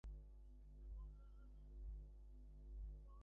The black foxface appears in the aquarium trade.